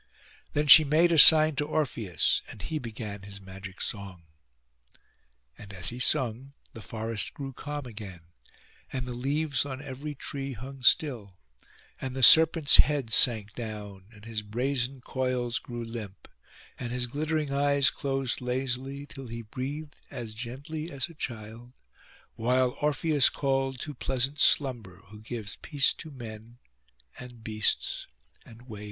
Then she made a sign to Orpheus, and he began his magic song. And as he sung, the forest grew calm again, and the leaves on every tree hung still; and the serpent's head sank down, and his brazen coils grew limp, and his glittering eyes closed lazily, till he breathed as gently as a child, while Orpheus called to pleasant Slumber, who gives peace to men, and beasts, and waves.